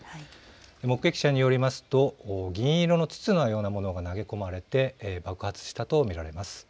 目撃者によりますと銀色の筒のようなものが投げ込まれて爆発したと見られます。